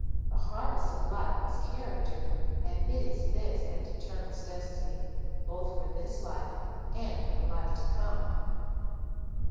The harvest of life is character, and it is this that deter mines destiny, both for this life and for the life to come.